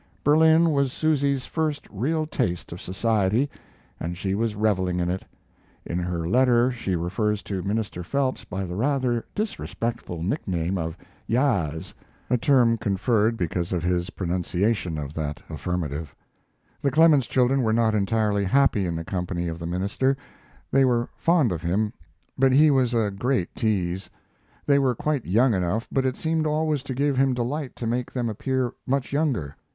Berlin was Susy's first real taste of society, and she was reveling in it. In her letter she refers to Minister Phelps by the rather disrespectful nickname of "Yaas," a term conferred because of his pronunciation of that affirmative. The Clemens children were not entirely happy in the company of the minister. They were fond of him, but he was a great tease. They were quite young enough, but it seemed always to give him delight to make them appear much younger.